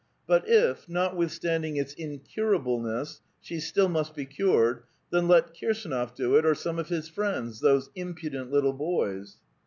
But if, notwithstanding its incurableness, she still must be cured, then let Kirsdnof do it, or some of his friends, — those impudent little boys